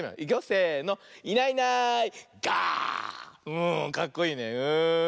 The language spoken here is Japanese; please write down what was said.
うんかっこいいねうん。